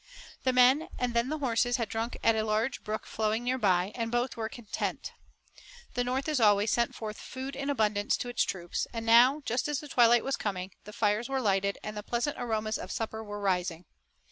The men and then the horses had drunk at a large brook flowing near by, and both were content. The North, as always, sent forward food in abundance to its troops, and now, just as the twilight was coming, the fires were lighted and the pleasant aromas of supper were rising.